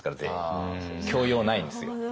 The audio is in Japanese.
教養ないんですよ。